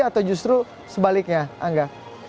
atau justru sebaliknya angga